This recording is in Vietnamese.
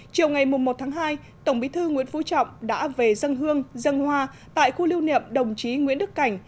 chiều ngày một tháng hai tổng bí thư nguyễn phú trọng đã về dân hương dân hoa tại khu lưu niệm đồng chí nguyễn đức cảnh